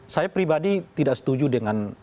saya pribadi tidak setuju dengan